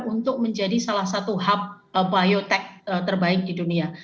untuk menjadi salah satu hub biotech terbaik di dunia